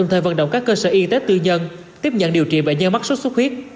trong các cơ sở y tế tư nhân tiếp nhận điều trị bệnh nhân mắc sốt sốt huyết